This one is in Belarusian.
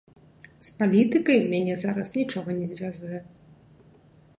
З палітыкай мяне зараз нічога не звязвае.